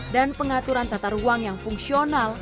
dan pengaturan tata ruang yang fungsional